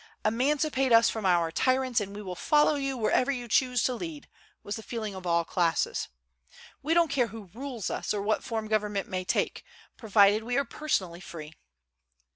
"Emancipate us from our tyrants, and we will follow you wherever you choose to lead," was the feeling of all classes. "We don't care who rules us, or what form government may take, provided we are personally free."